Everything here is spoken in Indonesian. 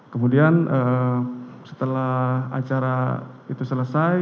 kemudian setelah acara itu selesai